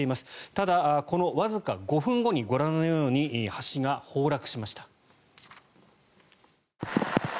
ただ、このわずか５分後にご覧のように橋が崩落しました。